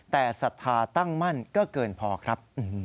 แต่ศรัทธาตั้งมั่นก็เกินพอครับ